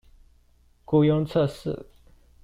雇用測試